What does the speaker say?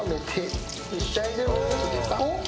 おっ？